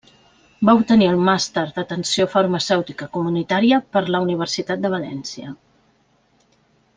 Va obtenir el Màster d'Atenció Farmacèutica Comunitària per la Universitat de València.